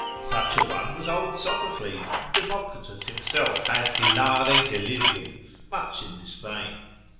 Such a one was old Sophocles, and Democritus himself had hilare delirium, much in this vein.